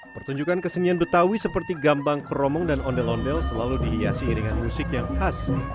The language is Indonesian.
pertunjukan kesenian betawi seperti gambang kromong dan ondel ondel selalu dihiasi iringan musik yang khas